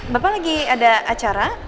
bapak lagi ada acara